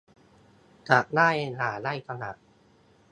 จะได้ด่าได้ถนัด